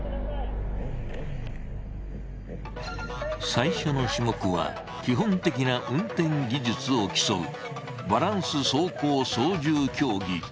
最初の種目は基本的な運転技術を競うバランス走行操縦競技。